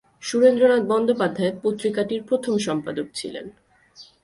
সুরেন্দ্রনাথ বন্দ্যোপাধ্যায় পত্রিকাটির প্রথম সম্পাদক ছিলেন।